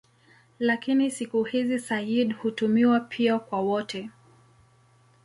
Lakini siku hizi "sayyid" hutumiwa pia kwa wote.